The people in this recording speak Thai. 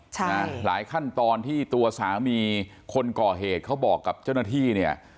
ใช่นะหลายขั้นตอนที่ตัวสามีคนก่อเหตุเขาบอกกับเจ้าหน้าที่เนี่ย